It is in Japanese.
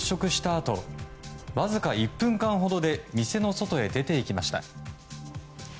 あとわずか１分間ほどで店の外へ出ていきました。